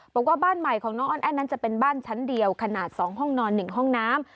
บอกว่าบ้านใหม่ของน้องอ้อนแอ้นนั้นจะเป็นบ้านชั้นเดียวขนาด๒ห้องนอน๑ห้องน้ำ